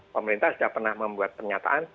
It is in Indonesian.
pemerintah sudah pernah membuat pernyataan